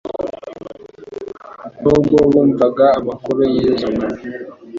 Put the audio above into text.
n'ubwo bumvaga amakuru y'izo ngabo